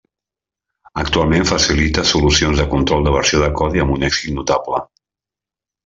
Actualment facilita solucions de control de versió de codi amb un èxit notable.